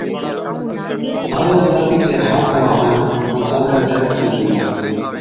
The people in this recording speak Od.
هر روز راتِي چَي ها دَوا هڻا ائُون ساجھرا چَي اُوٺتِي جھُولا۔